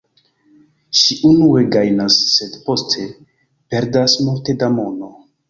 Ŝi unue gajnas, sed poste perdas multe da mono.